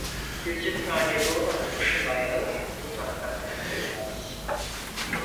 Gözü tanede olan kuşun ayağı tuzaktan kurtulmaz.